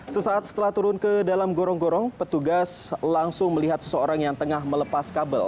sesaat setelah turun ke dalam gorong gorong petugas langsung melihat seseorang yang tengah melepas kabel